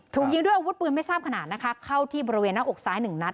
ถูกยิงด้วยอาวุธปืนไม่ทราบขนาดนะคะเข้าที่บริเวณหน้าอกซ้ายหนึ่งนัด